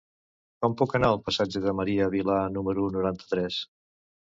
Com puc anar al passatge de Maria Vila número noranta-tres?